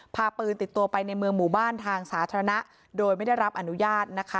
พาปืนติดตัวไปในเมืองหมู่บ้านทางสาธารณะโดยไม่ได้รับอนุญาตนะคะ